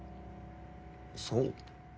そう？